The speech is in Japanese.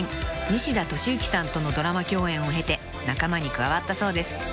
［西田敏行さんとのドラマ共演を経て仲間に加わったそうです］